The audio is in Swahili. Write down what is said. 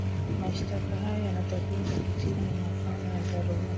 mashitaka hayo yanatakiwa kupitiwa na mahakama ya dharura